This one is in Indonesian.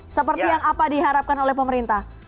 seperti yang apa diharapkan oleh pemerintah